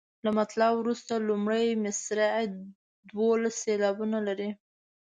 له مطلع وروسته لومړۍ مصرع دولس سېلابونه لري.